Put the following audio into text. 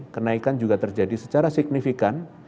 kenaikan juga terjadi secara signifikan